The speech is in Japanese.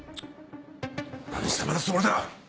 何様のつもりだ！